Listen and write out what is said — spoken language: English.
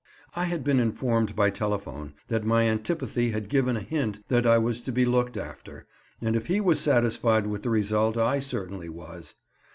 I had been informed by telephone that my antipathy had given a hint that I was to be looked after, and if he was satisfied with the result I certainly was.